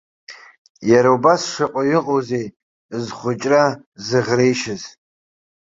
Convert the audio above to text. Иара убас шаҟаҩы ыҟоузеи, зхәыҷра зыӷреишьыз.